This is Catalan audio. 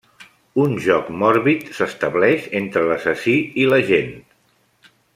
Un joc mòrbid s'estableix entre l'assassí i l'agent.